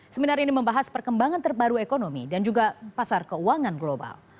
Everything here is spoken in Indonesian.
seminar ini membahas perkembangan terbaru ekonomi dan juga pasar keuangan global